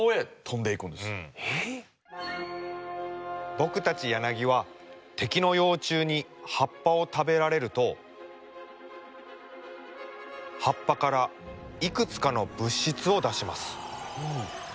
僕たちヤナギは敵の幼虫に葉っぱを食べられると葉っぱからいくつかの物質を出します。